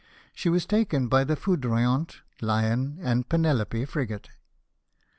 She was taken by the Foudroyant, Lion, and Penelope frigate.